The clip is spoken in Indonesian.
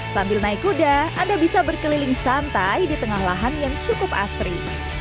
sambil naik kuda anda bisa berkeliling santai di tengah lahan yang cukup asri